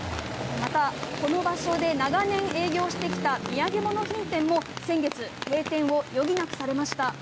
またこの場所で長年営業してきた土産物品店も先月閉店を余儀なくされました。